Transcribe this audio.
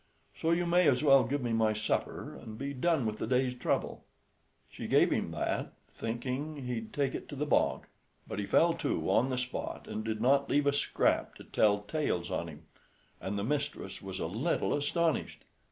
So you may as well give me my supper, and be done with the day's trouble." She gave him that, thinking he'd take it to the bog; but he fell to on the spot, and did not leave a scrap to tell tales on him; and the mistress was a little astonished.